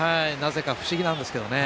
不思議なんですけどね。